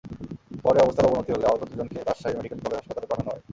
পরে অবস্থার অবনতি হলে আহত দুজনকে রাজশাহী মেডিকেল কলেজ হাসপাতালে পাঠানো হয়।